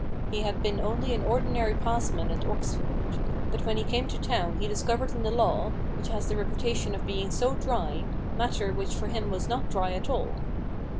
He had been only an ordinary passman at Oxford ; but when he came to town he discovered in the law, which has the reputation of being so dry, matter which for him was not dry at all.